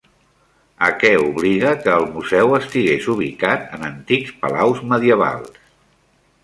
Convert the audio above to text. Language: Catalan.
A què obliga que el museu estigues ubicat en antics palaus medievals?